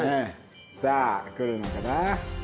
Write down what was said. さあ来るのかな？